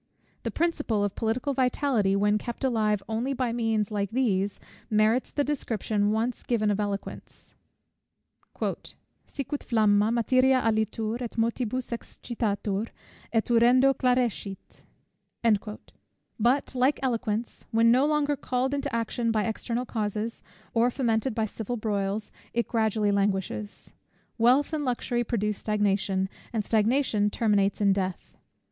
The principle of political vitality, when kept alive only by means like these, merits the description once given of eloquence: "Sicut flamma, materia alitur, & motibus excitatur, & urendo clarescit." But like eloquence, when no longer called into action by external causes, or fomented by civil broils, it gradually languishes. Wealth and luxury produce stagnation, and stagnation terminates in death.